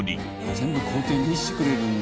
全部工程見せてくれるんだ。